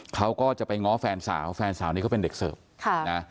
เขาก็จะไปง้อแฟนสาวแฟนสาวนี้เขาเป็นเด็กเสิร์ฟค่ะนะ